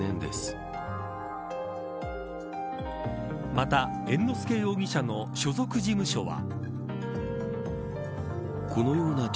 また、猿之助容疑者の所属事務所は。